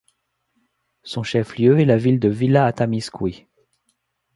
Son chef-lieu est la ville de Villa Atamisqui.